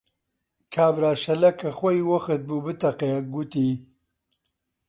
کابرا شەلە کە خۆی وەخت بوو بتەقێ، گوتی: